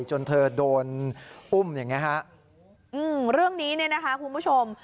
จนเธอโดนอุ้มอย่างเงี้ฮะอืมเรื่องนี้เนี่ยนะคะคุณผู้ชม